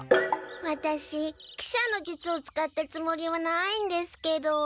ワタシ喜車の術を使ったつもりはないんですけど。